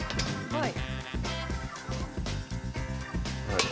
はい。